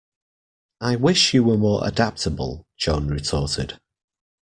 I wish you were more adaptable, Joan retorted.